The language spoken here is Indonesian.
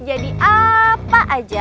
jadi apa aja